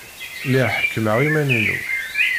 Lliɣ ḥekkmeɣ iman-inu.